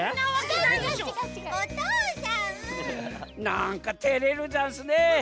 なんかてれるざんすね。